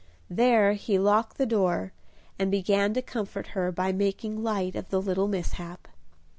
There he locked the door, and began to comfort her by making light of the little mishap.